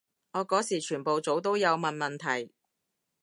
我嗰時全部組都有問問題